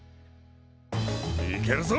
いけるぞ！